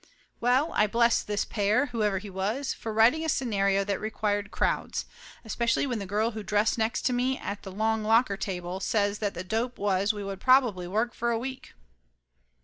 Well, I blessed this Pear, whoever he was, for writing a scenario that required crowds, especially when the girl who dressed next to me at the long locker table says that the dope was we would probably work for a week.